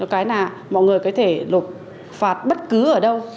một cái là mọi người có thể lục phạt bất cứ ở đâu